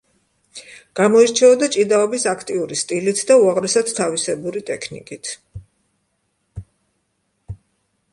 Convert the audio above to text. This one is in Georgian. გამოირჩეოდა ჭიდაობის აქტიური სტილით და უაღრესად თავისებური ტექნიკით.